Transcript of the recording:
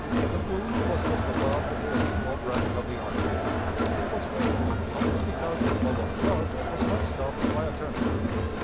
The wound was just above the division or branch of the artery. It was fatal only because the flow of blood was not stopped by a tourniquet.